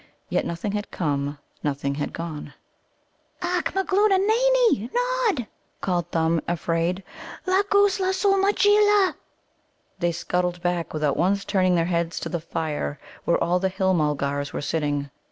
Yet nothing had come, nothing gone. "Acch magloona nani, Nod," called Thumb, afraid, "lagoosla sul majeela!" They scuttled back, without once turning their heads, to the fire, where all the Hill mulgars were sitting.